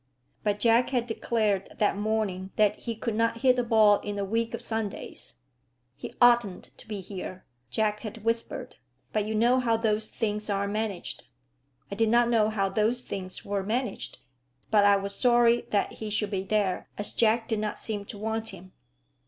But Jack had declared that morning that he could not hit a ball in a week of Sundays, "He oughtn't to be here," Jack had whispered; "but you know how those things are managed." I did not know how those things were managed, but I was sorry that he should be there, as Jack did not seem to want him.